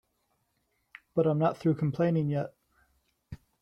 But I'm not through complaining yet.